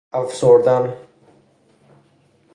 افسردن